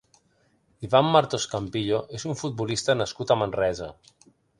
Iván Martos Campillo és un futbolista nascut a Manresa.